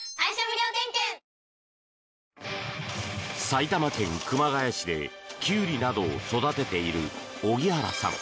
埼玉県熊谷市でキュウリなどを育てている萩原さん。